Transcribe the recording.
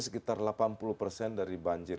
sekitar delapan puluh persen dari banjir